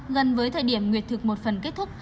gần với thời điểm nguyệt thực một phần kết thúc